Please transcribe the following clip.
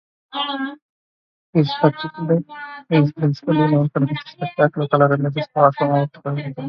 He is principally known for his spectacular colour images of astronomical objects.